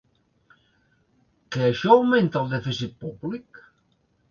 Que això augmenta el dèficit públic?